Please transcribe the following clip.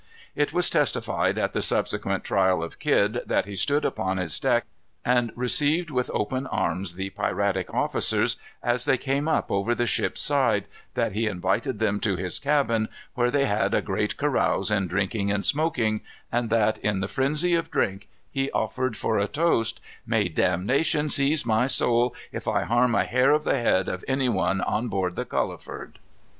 It was testified at the subsequent trial of Kidd, that he stood upon his deck and received with open arms the piratic officers as they came up over the ship's side, that he invited them to his cabin, where they had a great carouse in drinking and smoking; and that in the frenzy of drink he offered for a toast: "May damnation seize my soul if I harm a hair of the head of any one on board the Culliford."